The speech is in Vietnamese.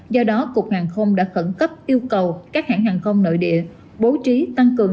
do đó cục hàng không đã khẩn cấp yêu cầu các hãng hàng không nội địa bố trí tăng cường